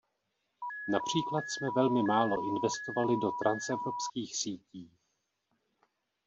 Například jsme velmi málo investovali do transevropských sítí.